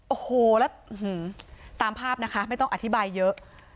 โอ้โหแล้วตามภาพนะคะไม่ต้องอธิบายเยอะ